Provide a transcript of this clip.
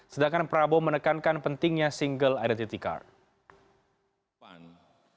sedangkan prabowo menekankan pentingnya single identity card